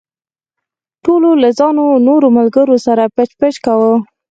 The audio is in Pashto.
ټولو له ځان او نورو ملګرو سره پچ پچ کاوه.